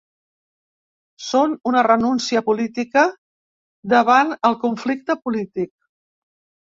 Són una renúncia política davant el conflicte polític.